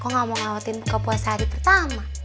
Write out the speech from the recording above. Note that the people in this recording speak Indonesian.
kan aku gak mau ngelawatin buka puasa hari pertama